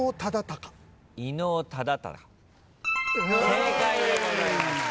正解でございます。